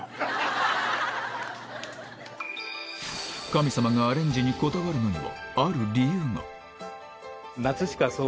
神様がアレンジにこだわるのにはある理由がですよね。